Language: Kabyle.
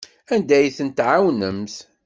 Anda ay ten-tɛawnemt?